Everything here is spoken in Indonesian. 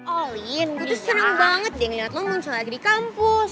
olin gue tuh seneng banget deh ngeliat lo muncul lagi di kampus